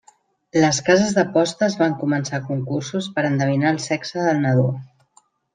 Les cases d'apostes van començar concursos per endevinar el sexe del nadó.